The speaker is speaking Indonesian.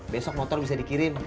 besok motor bisa dikirim